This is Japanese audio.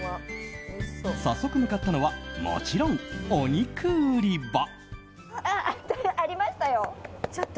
早速向かったのはもちろんお肉売り場。